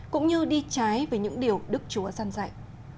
cũng như đi trái với những điều đức chúa dân dạy